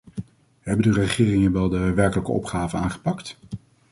Hebben de regeringen wel de werkelijke opgaven aangepakt?